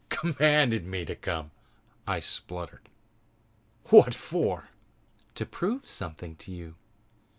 "Commanded me to come!" I spluttered. "What for?" "To prove something to you.